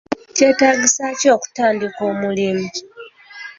Kyetaagisa ki okutandika omulimu?